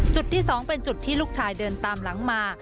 จุดที่๒เป็นจุดที่ลูกชายเดินตามหลังมา